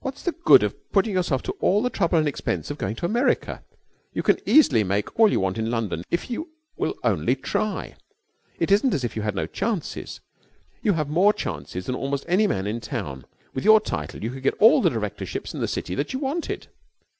'What's the good of putting yourself to all the trouble and expense of going to America? You can easily make all you want in London if you will only try. It isn't as if you had no chances. You have more chances than almost any man in town. With your title you could get all the directorships in the City that you wanted.'